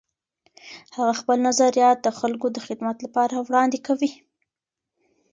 هغه خپل نظریات د خلګو د خدمت لپاره وړاندې کوي.